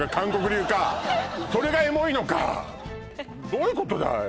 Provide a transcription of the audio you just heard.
どういうことだい？